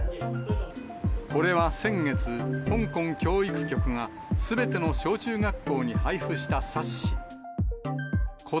これは先月、香港教育局がすべての小中学校に配布した冊子。